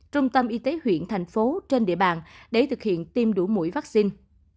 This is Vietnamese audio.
trung tâm y tế huyện thành phố trên địa bàn để thực hiện tiêm đủ mũi vaccine